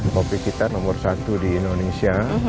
kopi kita nomor satu di indonesia